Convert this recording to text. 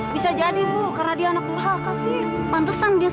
bisa di rumah akan kamu mati